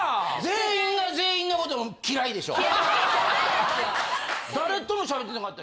全員が全員のこと嫌いでしょ？